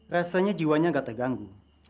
rasanya jiwanya nggak terganggu